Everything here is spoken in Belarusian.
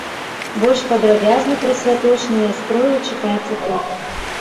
Больш падрабязна пра святочныя строі чытайце тут.